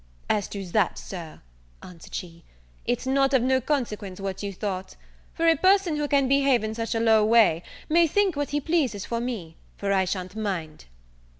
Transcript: "As to that, Sir," answered she, "it's not of no consequence what you thought; for a person who can behave in such a low way, may think what he pleases for me, for I sha'n't mind."